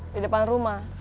di depan rumah